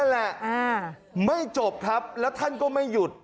นั่นแหละไม่จบครับแล้วท่านก็ไม่หยุด